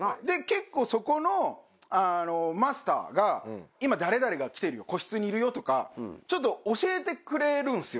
結構そこのマスターが「今誰々が来てるよ個室にいるよ」とかちょっと教えてくれるんですよ。